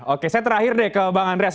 oke saya terakhir deh ke bang andreas